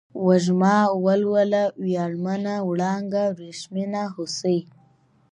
وږمه ، ولوله ، وياړمنه ، وړانگه ، ورېښمينه ، هوسۍ